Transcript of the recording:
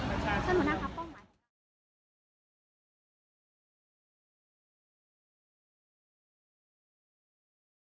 สิ่งที่เกิดขึ้นคือความพยายามที่จะเอาอดีตมาฉุดล้างอนาคตนะครับ